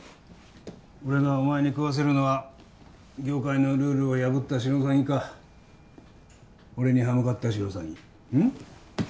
俺がお前に喰わせるのは業界のルールを破ったシロサギか俺に刃向かったシロサギうん？